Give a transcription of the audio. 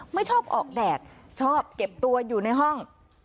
ไม่ชอบออกแดดชอบเก็บตัวอยู่ในห้อง